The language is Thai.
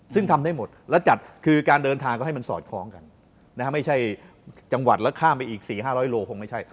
ซึ่งทำได้หมดแล้วจัดคือการเดินทางก็ให้มันสอดคล้องกันไม่ใช่จังหวัดแล้วข้ามไปอีก๔๕๐๐โลคงไม่ใช่